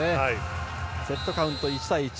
セットカウント１対１